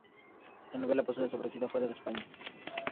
La novela pasó desapercibida fuera de españa.